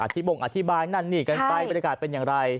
อธิบงอธิบายนั้นนี่กันไปบริการเป็นอย่างไร